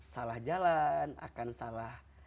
salah jalan akan salah